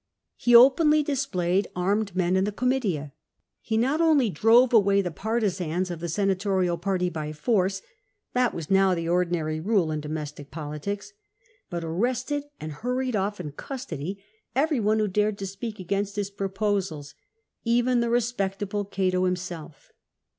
He openly dis played armed men in the Comitia; he not only drove away the partisans of the Senatorial party by force — that was now the ordinary rule in domestic politics — but arrested and hurried off in custody every one who dared to speak against his proposals — even the respectable Cato himself.